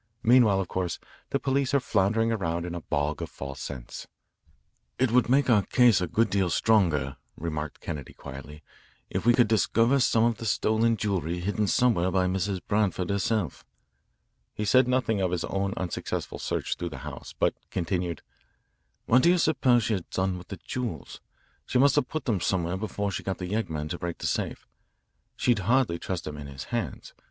Meanwhile, of course, the police are floundering around in a bog of false scents." "It would make our case a good deal stronger," remarked Kennedy quietly, "if we could discover some of the stolen jewellery hidden somewhere by Mrs. Branford herself." He said nothing of his own unsuccessful search through the house, but continued: "What do you suppose she has done with the jewels? She must have put them somewhere before she got the yeggman to break the safe. She'd hardly trust them in his hands.